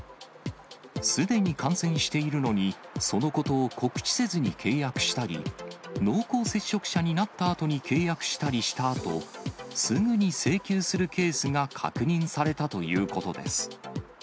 すでに感染しているのに、そのことを告知せずに契約したり、濃厚接触者になったあとに契約したりしたあと、すぐに請求するケースが確認されたということです。